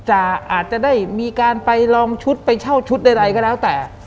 อาจจะได้มีการไปลองชุดไปเช่าชุดใดก็แล้วแต่